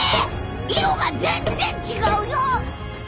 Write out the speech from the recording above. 色が全然違うよ！